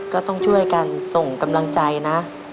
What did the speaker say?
ก็ต้องช่วยกันส่งกำลังใจนะ